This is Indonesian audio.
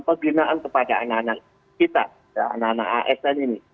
pembinaan kepada anak anak kita anak anak asn ini